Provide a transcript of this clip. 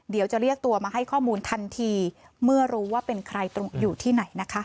เดี๋ยวจะเรียกตัวมาให้ข้อมูลทันทีเมื่อรู้ว่าเป็นใครอยู่ที่ไหนนะคะ